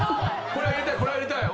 これは入れたい。